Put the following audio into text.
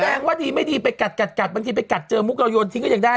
ว่าดีไม่ดีไปกัดบางทีไปกัดเจอมุกเราโยนทิ้งก็ยังได้